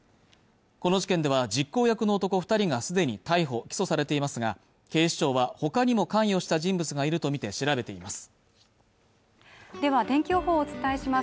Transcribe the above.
この事件では実行役の男二人がすでに逮捕・起訴されていますが警視庁はほかにも関与した人物がいるとみて調べていますでは天気予報をお伝えします